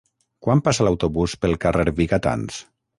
Quan passa l'autobús pel carrer Vigatans?